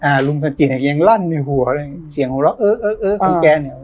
อ่าลุงสันจีกก็ยังลั่นในหัวเลยเสียงหรอกเออเออเออคุณแกเนี้ย